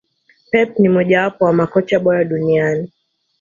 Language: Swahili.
Pep ni moja wapo ya makocha bora duniani